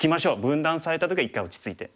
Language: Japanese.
分断された時は一回落ち着いて。